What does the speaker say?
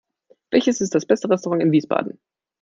Welches ist das beste Restaurant in Wiesbaden?